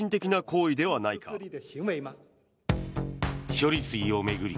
処理水を巡り